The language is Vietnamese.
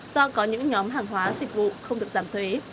do có những nhóm hàng hóa dịch vụ không được giảm thuế